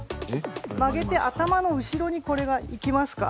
曲げて頭の後ろにいきますか。